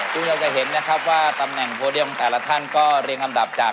ทุกคนจะเห็นนะครับว่าตำแหน่งโปรเดียมแต่ละท่านก็เรียนคำดับจาก